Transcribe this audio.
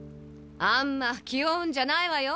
あんま気負うんじゃないわよ。